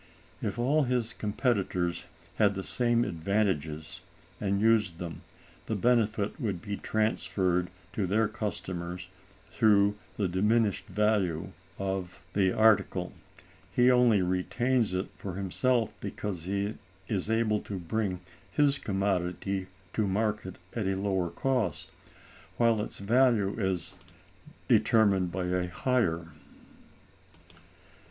If all his competitors had the same advantages, and used them, the benefit would be transferred to their customers through the diminished value of the article; he only retains it for himself because he is able to bring his commodity to market at a lower cost, while its value is determined by a higher.